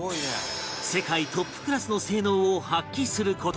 世界トップクラスの性能を発揮する事に